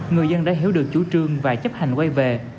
người dân đã hiểu được chủ trương và chấp hành quay về